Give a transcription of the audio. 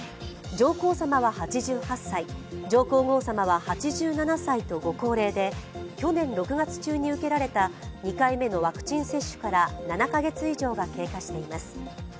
上皇さまは８８歳上皇后さまは８７歳とご高齢で去年６月中に受けられた２回目のワクチン接種から７カ月以上が経過しています。